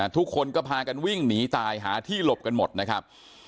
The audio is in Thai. ทุกคนก็พากันวิ่งหนีตายหาที่หลบกันหมดนะครับ